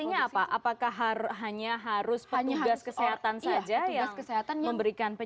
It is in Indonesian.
artinya apa apakah hanya harus petugas kesehatan saja yang memberikan pendapatan